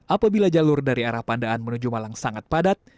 apabila jalur dari arah pandaan menuju malang sangat padat